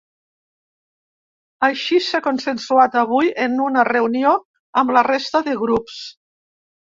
Així s’ha consensuat avui en una reunió amb la resta de grups.